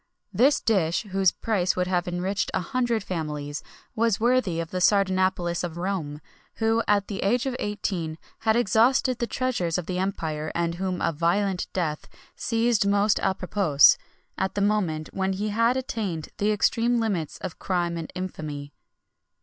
This dish, whose price would have enriched a hundred families, was worthy of the Sardanapalus of Rome, who, at the age of eighteen, had exhausted the treasures of the empire, and whom a violent death seized most à propos, at the moment when he had attained the extreme limits of crime and infamy.